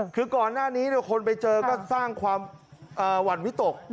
คือก่อนหน้านี้คนไปเจอก็สร้างความหวั่นวิตก